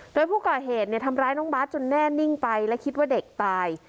โดยผู้ก่อเหตุทำร้ายน้องบาทจนแน่นิ่งไปและคิดว่าเด็กตาย